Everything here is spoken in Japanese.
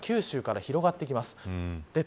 九州から広がっていきます。